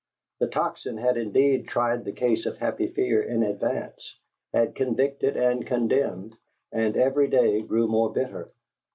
The Tocsin had indeed tried the case of Happy Fear in advance, had convicted and condemned, and every day grew more bitter.